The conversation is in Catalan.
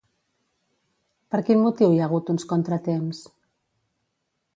Per quin motiu hi ha hagut uns contratemps?